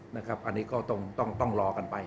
อันนี้ก็ต้องรอกันไป